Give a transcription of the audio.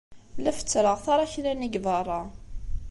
La fessreɣ taṛakna-nni deg beṛṛa.